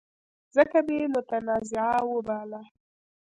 ځکه مې متنازعه وباله.